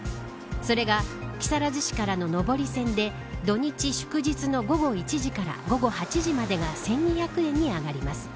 それが木更津市からの上り線で土日祝日の午後１時から午後８時までが１２００円に上がります。